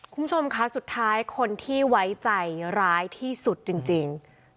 คุณผู้ชมคะสุดท้ายคนที่ไว้ใจร้ายที่สุดจริง